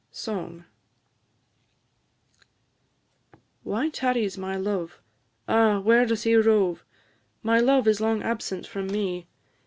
SONG. Why tarries my love? Ah! where does he rove? My love is long absent from me.